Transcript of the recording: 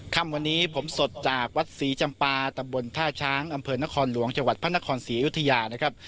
คำวันนี้ผมสดจากวัดศรีจำปาตำบลท่าช้างอำเภอนครหลวงจังหวัดพระนครศรีอยุธยานะครับ